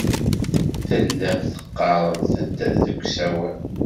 Tellamt teɣɣaremt-d deg usawal.